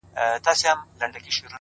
خدايه دا ټـپه مي په وجود كـي ده،